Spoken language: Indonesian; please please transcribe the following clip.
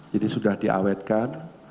jadi sudah diawetkan